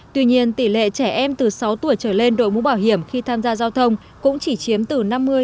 tuy nhiên tỷ lệ trẻ em từ sáu tuổi trở lên đội mũ bảo hiểm khi tham gia giao thông cũng chỉ chiếm từ năm mươi